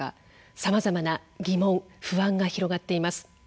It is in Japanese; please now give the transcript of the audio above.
さまざまな疑問、不安が広がっています。